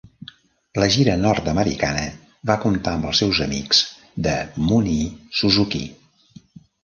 La gira nord-americana va comptar amb els seus amics, The Mooney Suzuki.